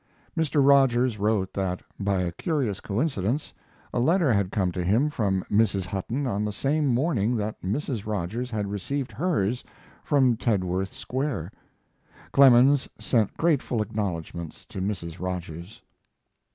Mr. Rogers wrote that, by a curious coincidence, a letter had come to him from Mrs. Hutton on the same morning that Mrs. Rogers had received hers from Tedworth Square. Clemens sent grateful acknowledgments to Mrs. Rogers.